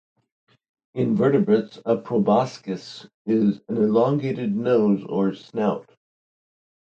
In vertebrates, a proboscis is an elongated nose or snout.